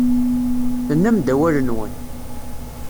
Tennam-d awal-nwen.